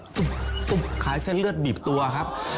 ตุ๊บขายเส้นเลือดบีบตัวครับ